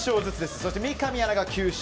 そして三上アナが９勝。